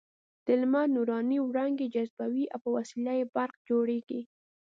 د لمر نوراني وړانګې جذبوي او په وسیله یې برق جوړېږي.